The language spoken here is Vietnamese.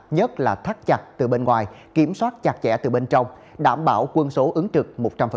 nhất là thắt chặt từ bên ngoài kiểm soát chặt chẽ từ bên trong đảm bảo quân số ứng trực một trăm linh